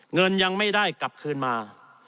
เงินยังไม่ได้กลับคืนมา